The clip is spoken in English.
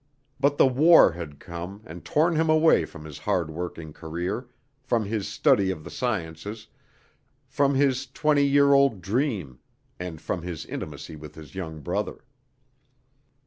But the war had come and torn him away from his hard working career, from his study of the sciences, from his twenty year old dream and from his intimacy with his young brother.